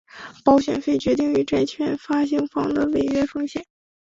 保险费决定于债券发行方的违约风险。